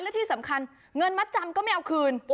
และที่สำคัญเงินมัดจำก็ไม่เอาคืน